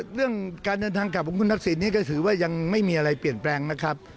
เรื่องการเดินทางกลับของคุณทักษิณนี้ก็ถือว่ายังไม่มีอะไรเปลี่ยนแปลงนะครับ